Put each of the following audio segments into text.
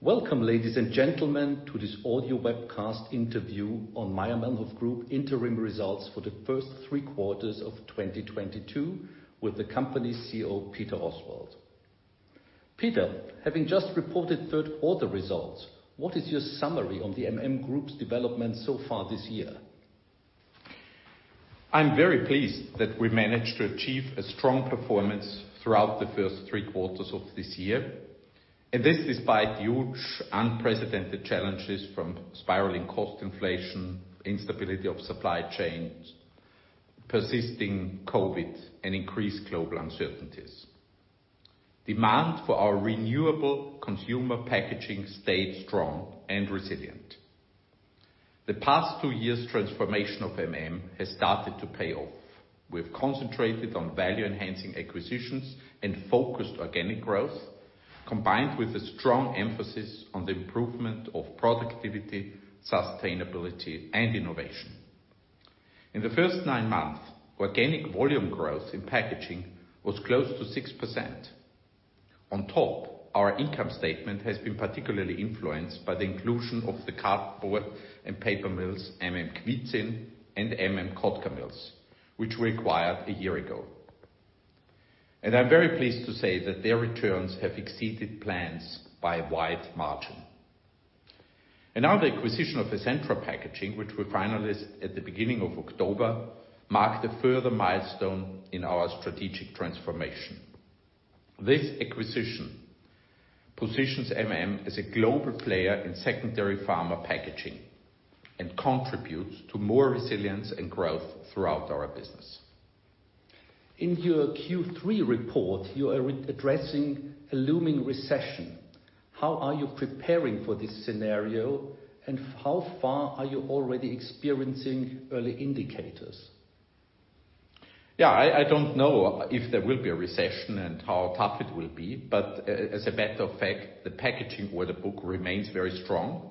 Welcome, ladies and gentlemen, to this audio webcast interview on Mayr-Melnhof Group interim results for the first three quarters of 2022 with the company CEO, Peter Oswald. Peter, having just reported third quarter results, what is your summary on the MM Group's development so far this year? I'm very pleased that we managed to achieve a strong performance throughout the first three quarters of this year, and this despite huge unprecedented challenges from spiraling cost inflation, instability of supply chains, persisting COVID, and increased global uncertainties. Demand for our renewable consumer packaging stayed strong and resilient. The past two years transformation of MM has started to pay off. We've concentrated on value-enhancing acquisitions and focused organic growth, combined with a strong emphasis on the improvement of productivity, sustainability, and innovation. In the first nine months, organic volume growth in packaging was close to 6%. On top, our income statement has been particularly influenced by the inclusion of the cardboard and paper mills, MM Kwidzyn, and MM Kotkamills, which we acquired a year ago. I'm very pleased to say that their returns have exceeded plans by a wide margin. Now the acquisition of Essentra Packaging, which we finalized at the beginning of October, marked a further milestone in our strategic transformation. This acquisition positions MM as a global player in secondary pharma packaging and contributes to more resilience and growth throughout our business. In your Q3 report, you are addressing a looming recession. How are you preparing for this scenario, and how far are you already experiencing early indicators? Yeah, I don't know if there will be a recession and how tough it will be, but as a matter of fact, the packaging order book remains very strong.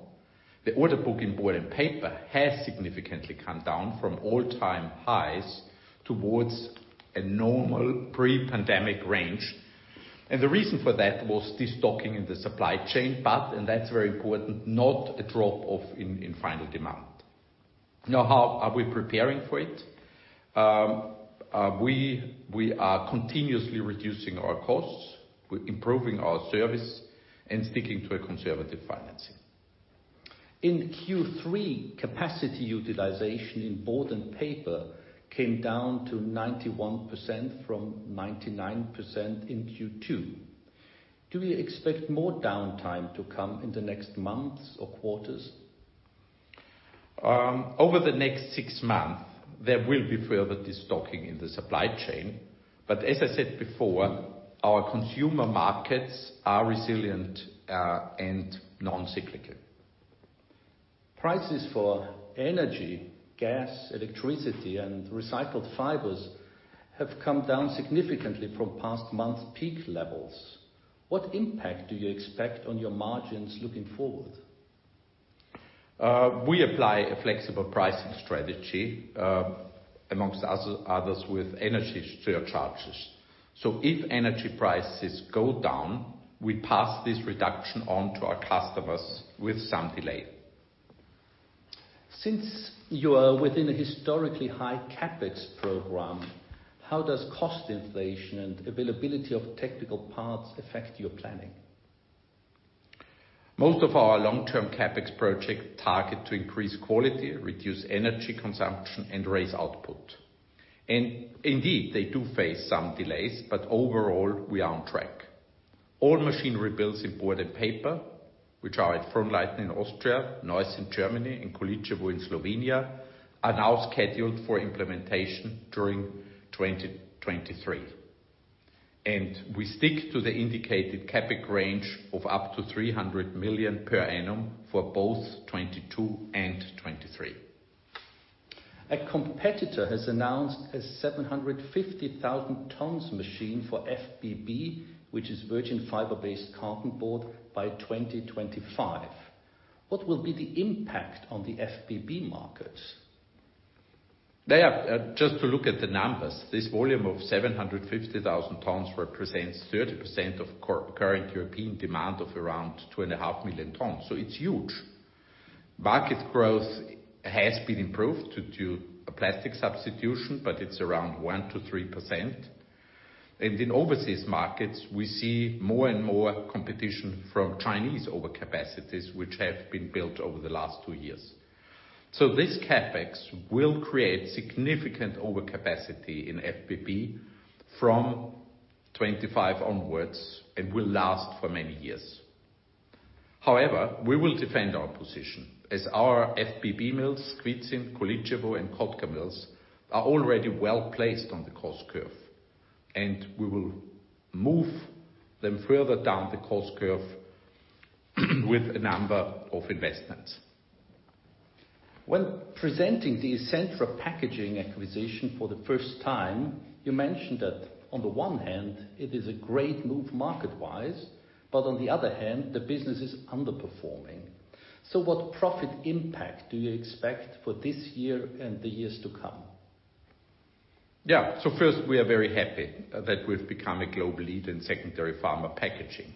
The order book in board and paper has significantly come down from all-time highs towards a normal pre-pandemic range, and the reason for that was de-stocking in the supply chain path, and that's very important, not a drop-off in final demand. Now, how are we preparing for it? We are continuously reducing our costs. We're improving our service and sticking to a conservative financing. In Q3, capacity utilization in board and paper came down to 91% from 99% in Q2. Do you expect more downtime to come in the next months or quarters? Over the next six months, there will be further de-stocking in the supply chain. As I said before, our consumer markets are resilient, and non-cyclical. Prices for energy, gas, electricity, and recycled fibers have come down significantly from past months' peak levels. What impact do you expect on your margins looking forward? We apply a flexible pricing strategy, among others with energy surcharges. If energy prices go down, we pass this reduction on to our customers with some delay. Since you are within a historically high CapEx program, how does cost inflation and availability of technical parts affect your planning? Most of our long-term CapEx project target to increase quality, reduce energy consumption, and raise output. Indeed, they do face some delays, but overall, we are on track. All machine rebuilds in board and paper, which are at Frohnleiten in Austria, Neuss in Germany, and Kočevje in Slovenia, are now scheduled for implementation during 2023, and we stick to the indicated CapEx range of up to 300 million per annum for both 2022 and 2023. A competitor has announced a 750,000-tons machine for FBB, which is virgin fiber-based cartonboard, by 2025. What will be the impact on the FBB markets? Just to look at the numbers, this volume of 750,000 tons represents 30% of current European demand of around 2.5 million tons, so it's huge. Market growth has been improved due to a plastic substitution, but it's around 1%-3%. In overseas markets, we see more and more competition from Chinese overcapacities which have been built over the last two years. This CapEx will create significant overcapacity in FBB from 2025 onwards and will last for many years. However, we will defend our position as our FBB mills, Kwidzyn, Kočevje, and Kotkamills, are already well placed on the cost curve, and we will move them further down the cost curve with a number of investments. When presenting the Essentra Packaging acquisition for the first time, you mentioned that on the one hand, it is a great move market-wise, but on the other hand, the business is underperforming. What profit impact do you expect for this year and the years to come? Yeah. First, we are very happy that we've become a global leader in secondary pharma packaging.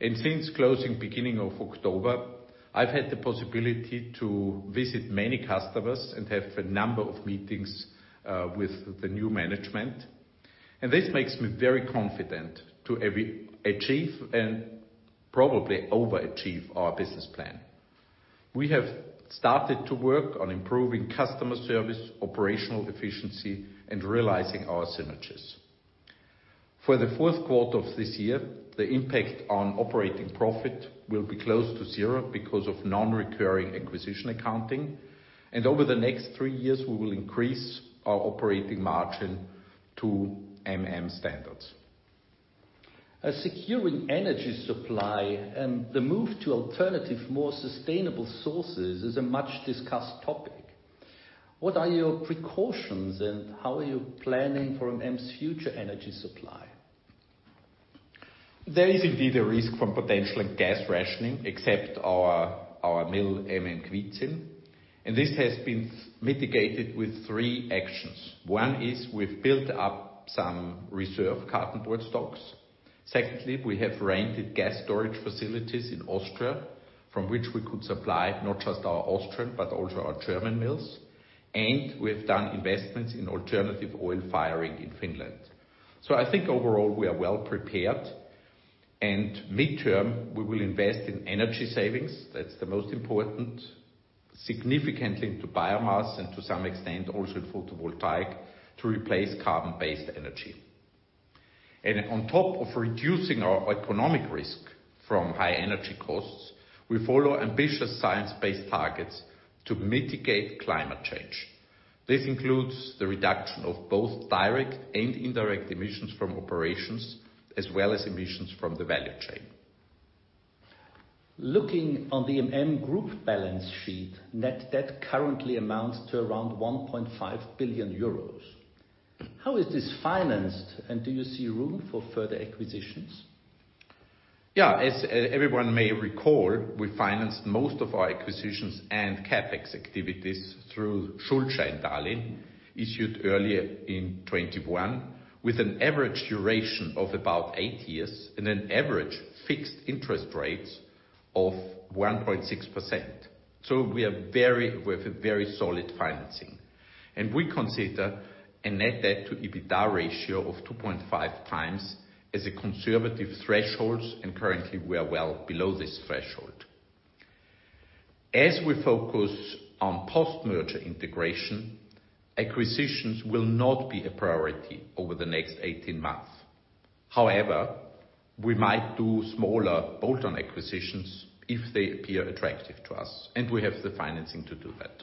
Since closing beginning of October, I've had the possibility to visit many customers and have a number of meetings with the new management. This makes me very confident to achieve and probably over-achieve our business plan. We have started to work on improving customer service, operational efficiency, and realizing our synergies. For the fourth quarter of this year, the impact on operating profit will be close to zero because of non-recurring acquisition accounting. Over the next three years we will increase our operating margin to MM standards. A secure energy supply and the move to alternative, more sustainable sources is a much-discussed topic. What are your precautions and how are you planning for MM's future energy supply? There is indeed a risk from potential gas rationing, except our mill MM Kwidzyn, and this has been mitigated with three actions. One is we've built up some reserve cartonboard stocks. Secondly, we have rented gas storage facilities in Austria, from which we could supply not just our Austrian, but also our German mills. We've done investments in alternative oil firing in Finland. I think overall we are well prepared, and midterm we will invest in energy savings, that's the most important, significantly to biomass and to some extent also photovoltaic to replace carbon-based energy. On top of reducing our economic risk from high energy costs, we follow ambitious science-based targets to mitigate climate change. This includes the reduction of both direct and indirect emissions from operations, as well as emissions from the value chain. Looking on the MM Group balance sheet, net debt currently amounts to around 1.5 billion euros. How is this financed and do you see room for further acquisitions? Yeah. As everyone may recall, we financed most of our acquisitions and CapEx activities through Schuldscheindarlehen issued earlier in 2021 with an average duration of about eight years and an average fixed interest rates of 1.6%. We are with a very solid financing. We consider a net debt to EBITDA ratio of 2.5 times as a conservative threshold, and currently we are well below this threshold. As we focus on post-merger integration, acquisitions will not be a priority over the next 18 months. However, we might do smaller bolt-on acquisitions if they appear attractive to us, and we have the financing to do that.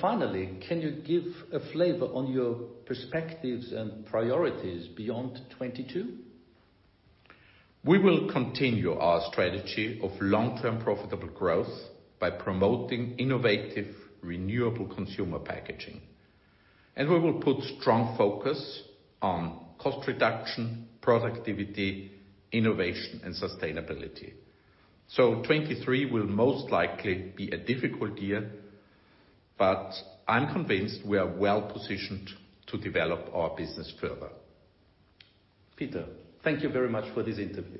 Finally, can you give a flavor on your perspectives and priorities beyond 2022? We will continue our strategy of long-term profitable growth by promoting innovative, renewable consumer packaging, and we will put strong focus on cost reduction, productivity, innovation and sustainability. 2023 will most likely be a difficult year, but I'm convinced we are well-positioned to develop our business further. Peter, thank you very much for this interview.